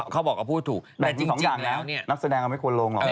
เขาบอกว่าพูดถูกแต่จริงแล้วนักแสดงก็ไม่ควรลงหรอก